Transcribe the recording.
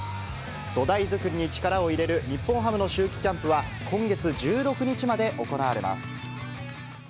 土台作りに力を入れる日本ハムの秋季キャンプは今月１６日まで行われます。